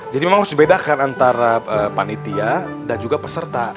jadi memang harus dibedakan antara panitia dan juga peserta